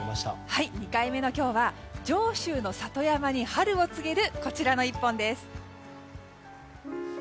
２回目の今日は上州の里山に春を告げるこちらの一本です。